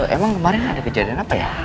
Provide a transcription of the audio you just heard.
emang kemarin ada kejadian apa ya